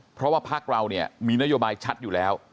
เพราะว่าพักเราเนี่ยมีนโยบายชัดอยู่แล้ว